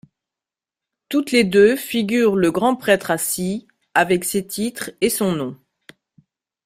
Toutes les deux figurent le grand prêtre assis avec ses titres et son nom.